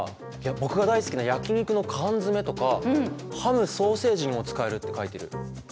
僕が大好きな焼き肉の缶詰めとかハム・ソーセージにも使えるって書いてる。